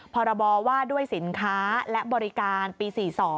พรบว่าด้วยสินค้าและบริการปี๔๒